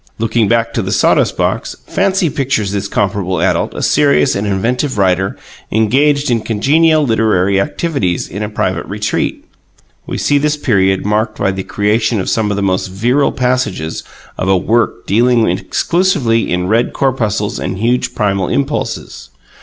Looking back to the sawdust box, fancy pictures this comparable adult a serious and inventive writer engaged in congenial literary activities in a private retreat. We see this period marked by the creation of some of the most virile passages of a Work dealing exclusively in red corpuscles and huge primal impulses.